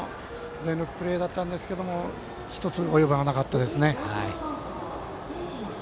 全力プレーだったんですが１つ、及ばなかったですね。